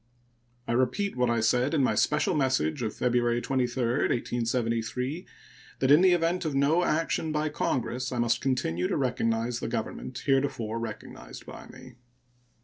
I repeat what I said in my special message of February 23, 1873, that in the event of no action by Congress I must continue to recognize the government heretofore recognized by me.